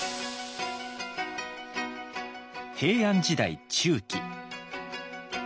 平安時代中期。